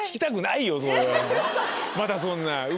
またそんな！